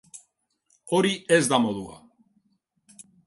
Hori ez da modua.